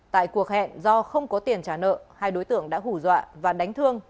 tại cuộc hẹn do không có tiền trả nợ hai đối tượng đã hủ dọa và đánh thương